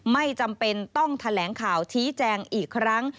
ไม่จำเป็นต้องแถลงข่าวชี้แจงอีกครั้ง